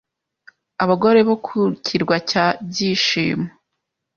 Abagore bo ku kirwa cya Byishimo